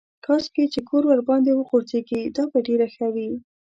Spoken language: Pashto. کاشکې چې کور ورباندې وغورځېږي دا به ډېره ښه وي.